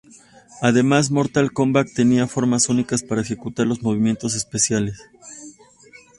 Además, "Mortal Kombat" tenía formas únicas para ejecutar los movimientos especiales.